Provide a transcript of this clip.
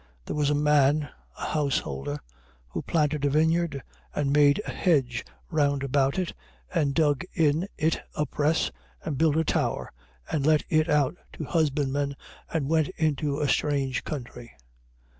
There was a man, an householder, who planted a vineyard and made a hedge round about it and dug in it a press and built a tower and let it out to husbandmen and went into a strange country.